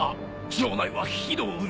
城内は火の海。